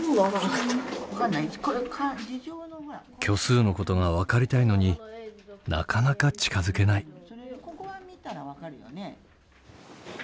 虚数のことが分かりたいのになかなか近づけない。